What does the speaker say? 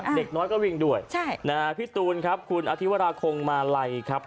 เด็กน้อยก็วิ่งด้วยพี่ตูนครับคุณอธิวราคงมาไลครับ